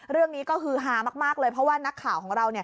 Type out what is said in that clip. เรื่องนี้ก็ฮือฮามากเลยเพราะว่านักข่าวของเราเนี่ย